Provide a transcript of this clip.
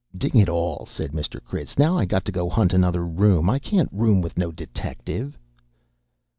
"Ding it all!" said Mr. Critz. "Now I got to go and hunt another room. I can't room with no detective."